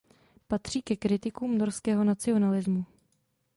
Patří ke kritikům norského nacionalismu.